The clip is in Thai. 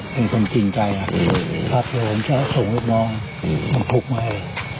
เป็นคนจริงใจนะถ้าผู้บัญชาส่งลูกน้องมันทุกข์มาให้